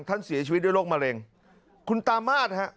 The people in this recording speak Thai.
ท่านเสียชีวิตด้วยโรคมะเร็งคุณตามาศฮะ